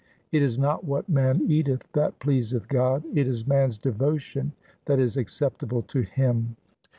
It is not what man eateth that pleaseth God. It is man's devotion that is acceptable to Him.'